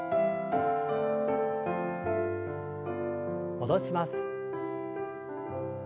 戻します。